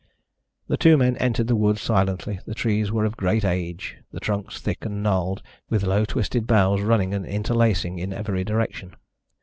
The two men entered the wood silently. The trees were of great age, the trunks thick and gnarled, with low twisted boughs, running and interlacing in every direction.